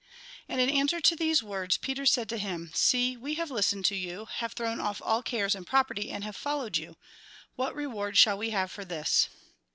And in answer to these words, Peter said to him :" See, we have listened to you, have thrown off all cares and property, and have followed you. What reward shall we have for this